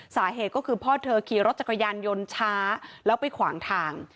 สาเหตุก็คือพ่อเธอขี่รถจักรยานยนต์ช้าแล้วไปขวางทาง